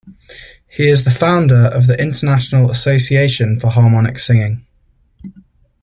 He is the founder of the International Association for Harmonic singing.